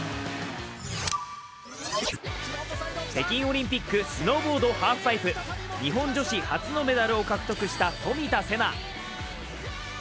北京オリンピック、スノーボード・ハープパイプ、日本女子初のメダルを獲得した冨田せな。